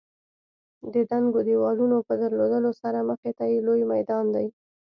د دنګو دېوالونو په درلودلو سره مخې ته یې لوی میدان دی.